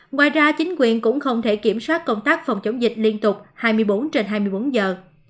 ngoài ra chính quyền cũng không thể kiểm soát công tác phòng chống dịch liên tục hai mươi bốn trên hai mươi bốn giờ